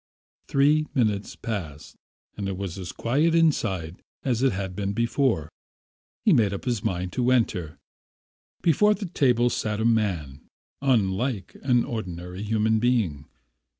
Three minutes passed and it was as quiet inside as it had been before. He made up his mind to enter. Before the table sat a man, unlike an ordinary human being.